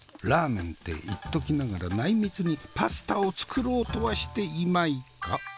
ラーメンって言っときながら内密にパスタを作ろうとはしていまいか？